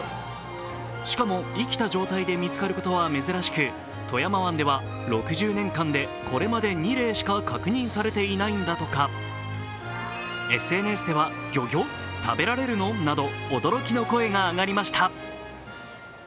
しかも生きた状態で見つかることは珍しく富山湾では６０年間でこれまで２例しか確認されていないんだとかＳＮＳでは驚きの声が上がりました。